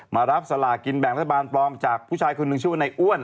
มารับสลากินแบ่งรัฐบาลปลอมจากผู้ชายคนหนึ่งชื่อว่าในอ้วน